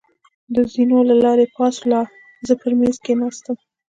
د زېنو له لارې پاس ولاړ، زه پر مېز کېناستم.